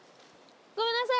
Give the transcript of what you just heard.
ごめんなさい。